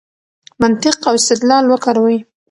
منطق او استدلال وکاروئ.